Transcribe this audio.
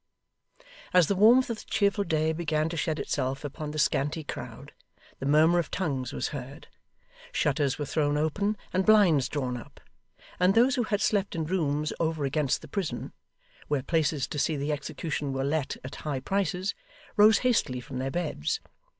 As the warmth of the cheerful day began to shed itself upon the scanty crowd, the murmur of tongues was heard, shutters were thrown open, and blinds drawn up, and those who had slept in rooms over against the prison, where places to see the execution were let at high prices, rose hastily from their beds.